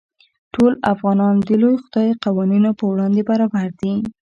ټول انسانان د لوی خدای قوانینو په وړاندې برابر دي.